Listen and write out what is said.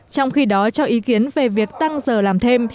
trong khi đó cho ý kiến về việc tăng giờ làm thêm